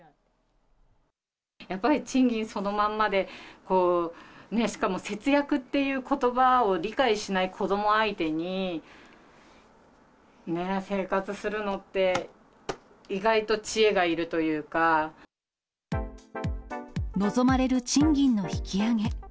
やっぱり賃金そのまんまで、しかも節約っていうことばを理解しない子ども相手に、生活するのって、望まれる賃金の引き上げ。